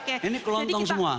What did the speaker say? ini kelontong semua